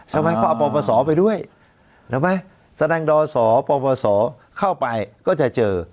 ใช่ไหมอปปสอไปด้วยทำไมแสดงดอสออปปสอเข้าไปก็จะเจอ